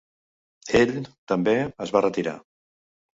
Ell, també, es va retirar.